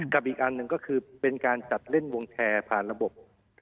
อีกอันหนึ่งก็คือเป็นการจัดเล่นวงแชร์ผ่านระบบ